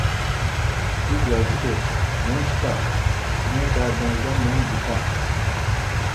سىز يازغۇچى، مەن كىتاب، سىزنىڭ دەردىڭىزدە مەن بىتاپ.